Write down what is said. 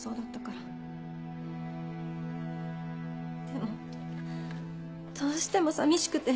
でもどうしても寂しくて。